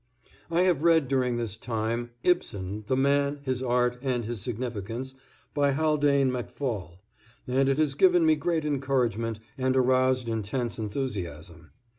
I have read during this time "Ibsen, the Man, His Art and His Significance," by Haldane Macfall, and it has given me great encouragement and aroused intense enthusiasm.